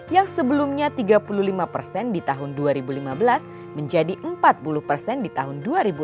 yang sebelumnya tiga puluh lima persen di tahun dua ribu lima belas menjadi empat puluh persen di tahun dua ribu enam belas